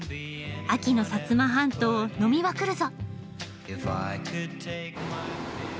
秋の摩半島を呑みまくるぞ！